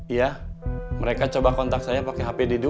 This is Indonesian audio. iya mereka coba kontak saya pakai hp didu